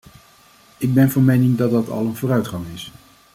Ik ben van mening dat dat al een vooruitgang is.